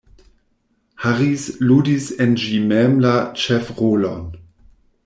Harris ludis en ĝi mem la ĉefrolon.